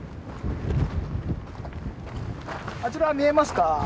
あちら見えますか？